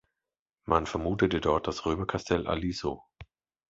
Man vermutete dort das Römerkastell Aliso.